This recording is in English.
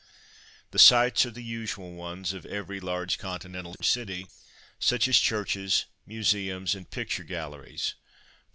The sights are the usual ones of every large Continental city, such as churches, museums, and picture galleries; _e.